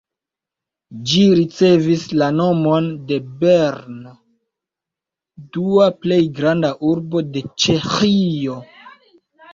Ĝi ricevis la nomon de Brno, dua plej granda urbo de Ĉeĥio.